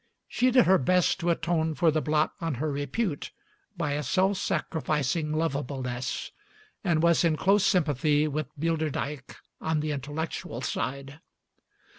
She did her best to atone for the blot on her repute by a self sacrificing lovableness, and was in close sympathy with Bilderdijk on the intellectual side.